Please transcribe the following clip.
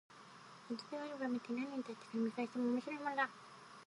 卒業アルバムって、何年経ってから見返しても面白いものだ。